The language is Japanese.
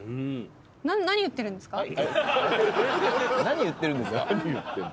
「何言ってるんですか」？